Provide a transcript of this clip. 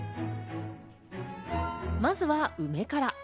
まずは梅から。